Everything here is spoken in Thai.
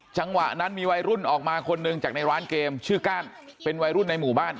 จังหวะนั้นมีวัยรุ่นออกมาคนหนึ่งจากในร้านเกมชื่อก้านเป็นวัยรุ่นในหมู่บ้าน